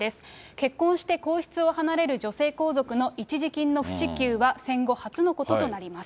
結婚して皇室を離れる女性皇族の一時金の不支給は戦後初のこととなります。